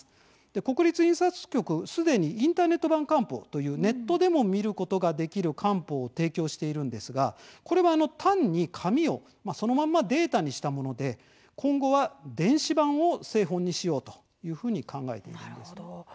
国立印刷局は、すでにインターネット版官報というネットでも見ることができる官報を提供しているんですがこれは単に紙をそのままデータにしたもので今後は電子版を正本にしようというふうに考えています。